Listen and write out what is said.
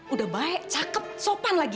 udah baik cakep sopan lagi